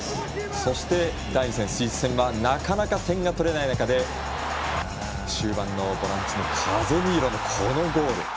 そして、第２戦スイス戦はなかなか点が取れない中終盤に、ボランチのカゼミーロのゴール。